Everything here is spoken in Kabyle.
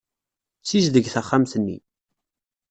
Sizdeg taxxamt-nni.